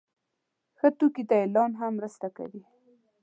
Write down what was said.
ښه توکي ته اعلان هم مرسته کوي.